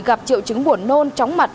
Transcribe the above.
gặp triệu chứng buồn nôn tróng mặt